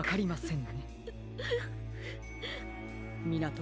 ん。